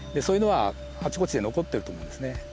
そういうのはあちこちで残っていると思うんですね。